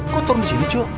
kok turun di sini cu